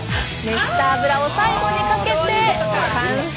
熱した油を最後にかけて完成です。